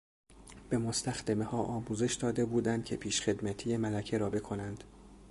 به مستخدمهها آموزش داده بودند که پیشخدمتی ملکه را بکنند.